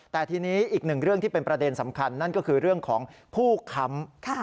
แต่ทีนี้อีกหนึ่งเรื่องที่เป็นประเด็นสำคัญนั่นก็คือเรื่องของผู้ค้ำ